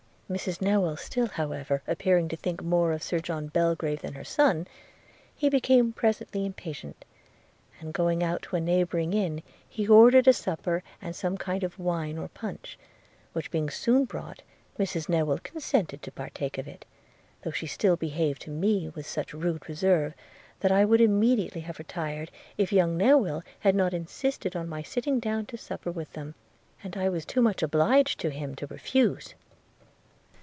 Mrs Newill still however appearing to think more of Sir John Belgrave than her son, he became presently impatient; and going out to a neighbouring inn, he ordered a supper and some kind of wine or punch; which being soon brought, Mrs Newill consented to partake of it, though she still behaved to me with such rude reserve, that I would immediately have retired, if young Newill had not insisted on my sitting down to supper with them, and I was too much obliged to him to refuse.'